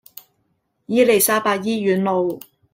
伊利沙伯醫院路